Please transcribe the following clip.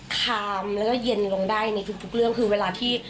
คามแล้วก็เย็นลงได้ในทุกเรื่องคือเวลาที่